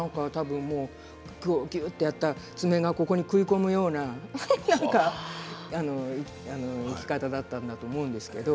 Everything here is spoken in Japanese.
ぎゅっとやったら爪が食い込むような生き方だったんだと思うんですけど。